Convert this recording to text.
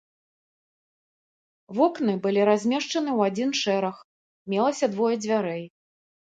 Вокны былі размешчаны ў адзін шэраг, мелася двое дзвярэй.